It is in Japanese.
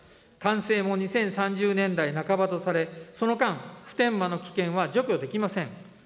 完成も２０３０年代半ばとされ、その間、普天間の危険は除去できません。